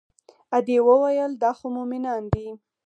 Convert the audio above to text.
ادې وويل دا خو مومنان دي.